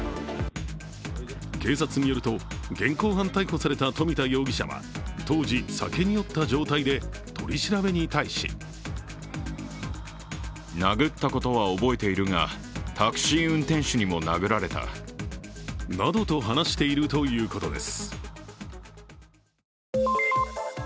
警察によると、現行犯逮捕された富田容疑者は当時、酒に酔った状態で取り調べに対しなどと話しているということです。